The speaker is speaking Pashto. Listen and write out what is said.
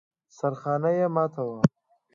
سرخانه يې ماته وه.